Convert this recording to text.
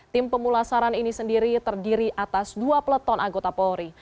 tim pemulasaran ini sendiri terdiri atas dua peleton anggota polri